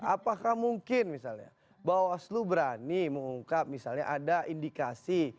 apakah mungkin misalnya bawaslu berani mengungkap misalnya ada indikasi